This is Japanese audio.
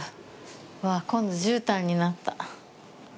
うわっ、今度、じゅうたんになった！